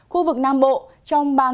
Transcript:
khu vực nam bộ trong ba ngày tới